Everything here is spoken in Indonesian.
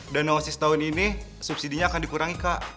dana osis tahun ini subsidinya akan dikurangi kak